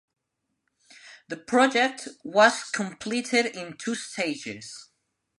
The project was completed in two stages.